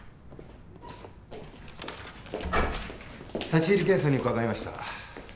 立入検査に伺いました。